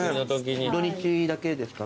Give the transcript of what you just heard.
土日だけですか？